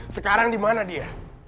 sekarang dimana dia